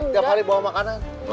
tiap hari bawa makanan